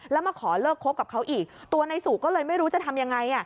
แล้วมาขอเลิกคบกับเขาอีกตัวในสู่ก็เลยไม่รู้จะทำยังไง